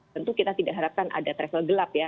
tentu kita tidak harapkan ada travel gelap ya